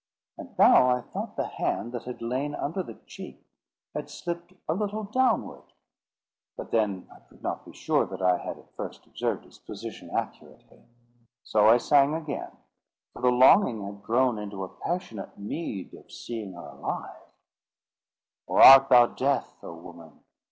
And now I thought the hand that had lain under the cheek, had slipped a little downward. But then I could not be sure that I had at first observed its position accurately. So I sang again; for the longing had grown into a passionate need of seeing her alive— "Or art thou Death, O woman?